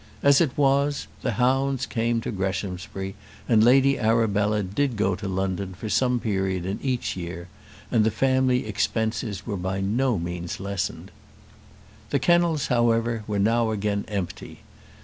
As it was, the hounds came to Greshamsbury, and Lady Arabella did go to London for some period in each year, and the family expenses were by no means lessened. The kennels, however, were now again empty.